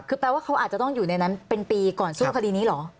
คือแปลว่าเขาอาจจะต้องอยู่ในนั้นเป็นปีก่อนสู้คดีนี้เหรอ